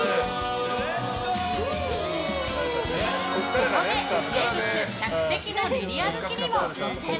ここで、名物客席の練り歩きにも挑戦。